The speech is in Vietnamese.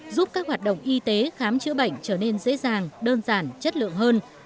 giúp các hoạt động y tế khám chữa bệnh trở nên dễ dàng đơn giản chất lượng hơn